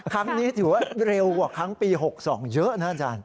ครั้งนี้ถือว่าเร็วกว่าครั้งปี๖๒เยอะนะอาจารย์